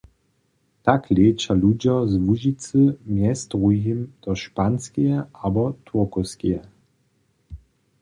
Tak leća ludźo z Łužicy mjez druhim do Španiskeje abo Turkowskeje.